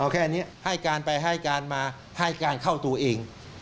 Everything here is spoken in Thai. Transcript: แค่นี้ให้การไปให้การมาให้การเข้าตัวเอง